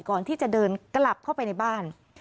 ก่อนที่จะเดินกลับเข้าไปในบ้าน